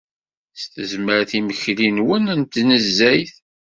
S tezmert imekli-nwen n tnezzayt.